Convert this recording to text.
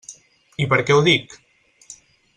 I per què ho dic?